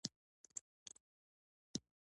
د دوو او پنځو پاړۍ مې زده ده،